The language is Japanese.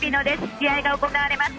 試合が行われます